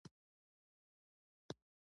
چیغې وشوې سړی له کوټې ووت.